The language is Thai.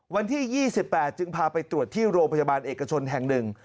วันที่๒๘จึงพาไปตรวจที่โรงพยาบาลเอกชนแห่งหนึ่ง